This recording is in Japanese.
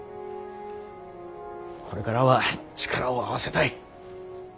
これからは力を合わせたい。